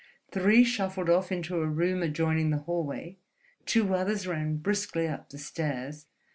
Three shuffled off into a room adjoining the hallway. Two others ran briskly up the stairs.